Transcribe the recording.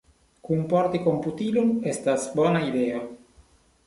Kunporti komputilon estas bona ideo.